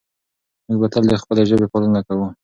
موږ به تل د خپلې ژبې پالنه کوو.